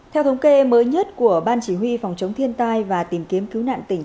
theo thống kê mới nhất của ban chỉ huy phòng chống thiên tai và tìm kiếm cứu nạn tỉnh